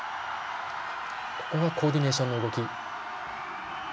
ここがコーディネーションの動き。